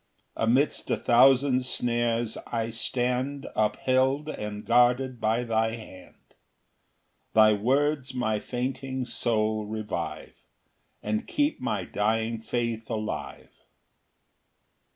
6 Amidst a thousand snares I stand Upheld and guarded by thy hand; Thy words my fainting soul revive, And keep my dying faith alive.